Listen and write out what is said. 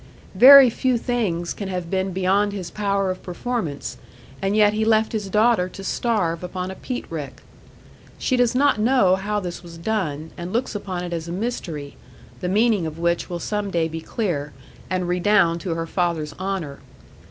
Very few things can have been beyond his power of performance, and yet he left his daughter to starve upon a peat rick. She does not know how this was done, and looks upon it as a mystery, the meaning of which will some day be clear, and redound to her father's honour.